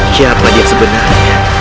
siapa dia sebenarnya